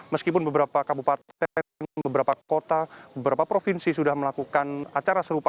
meskipun beberapa kabupaten beberapa kota beberapa provinsi sudah melakukan acara serupa